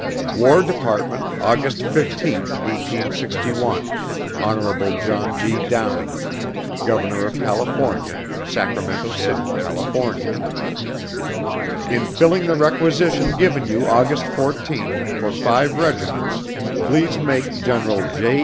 War Department, August 15, 1861. Hon. John G. Downey, Governor of California, Sacramento City, Cal. In filling the requisition given you August 14th, for five regiments, please make General J.